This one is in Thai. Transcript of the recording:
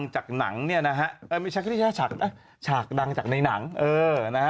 จากหนังเนี่ยนะฮะเอ่อไม่ใช่นะฉากฉากดังจากในหนังเออนะฮะ